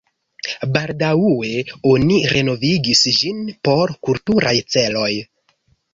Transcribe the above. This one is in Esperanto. Baldaŭe oni renovigis ĝin por kulturaj celoj.